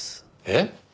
えっ？